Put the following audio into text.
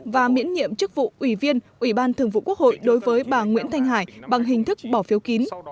và miễn nhiệm chức vụ ủy viên ủy ban thường vụ quốc hội đối với bà nguyễn thanh hải bằng hình thức bỏ phiếu kín